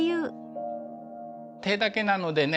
手だけなのでね